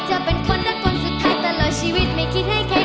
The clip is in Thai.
จะเป็นคนรักคนสุดท้ายตลอดชีวิตไม่คิดให้ใคร